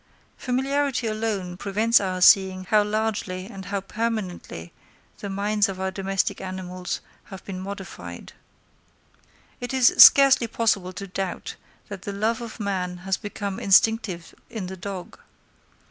Familiarity alone prevents our seeing how largely and how permanently the minds of our domestic animals have been modified. It is scarcely possible to doubt that the love of man has become instinctive in the dog.